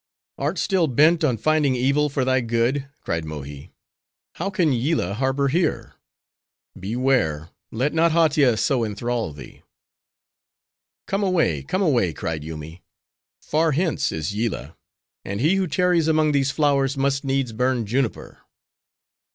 _" "Art still bent on finding evil for thy good?" cried Mohi.—"How can Yillah harbor here?—Beware!—Let not Hautia so enthrall thee." "Come away, come away," cried Yoomy. "Far hence is Yillah! and he who tarries among these flowers, must needs burn juniper."